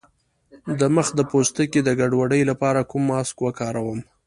د مخ د پوستکي د ګډوډۍ لپاره کوم ماسک وکاروم؟